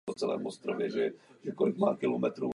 Následně byla disciplinární komisí vyloučena ze školy.